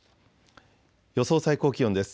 予想最高気温です。